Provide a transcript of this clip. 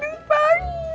jadi pacar lu